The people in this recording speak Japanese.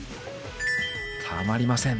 たまりません。